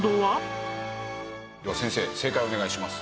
では先生正解をお願いします。